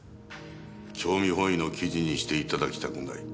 興味本位の記事にして頂きたくない。